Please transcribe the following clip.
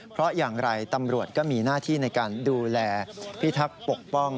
เพราะอย่างไรตำรวจก็มีหน้าที่ในการดูแลพิทักษ์ปกป้อง